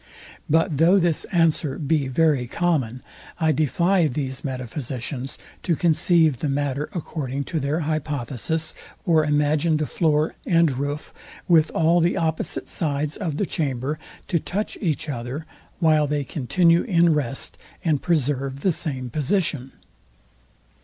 But though this answer be very common, I defy these metaphysicians to conceive the matter according to their hypothesis, or imagine the floor and roof, with all the opposite sides of the chamber, to touch each other, while they continue in rest, and preserve the same position.